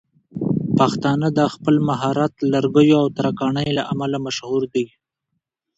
پښتانه د خپل مهارت لرګيو او ترکاڼۍ له امله مشهور دي.